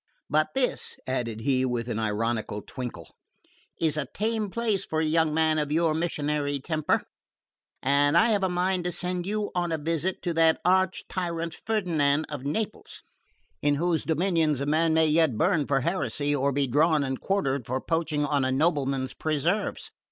But this," added he with an ironical twinkle, "is a tame place for a young man of your missionary temper, and I have a mind to send you on a visit to that arch tyrant Ferdinand of Naples, in whose dominions a man may yet burn for heresy or be drawn and quartered for poaching on a nobleman's preserves.